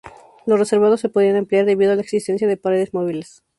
Los reservados se podían ampliar debido a la existencia de paredes móviles.